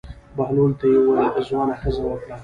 بهلول ته یې وویل: ځوانه ښځه وکړه.